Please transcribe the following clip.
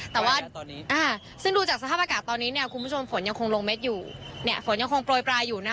ตรงนี้เนี่ยคุณผู้ชมฝนยังคงลงเม็ดอยู่